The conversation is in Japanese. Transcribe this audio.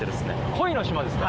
恋の島ですか。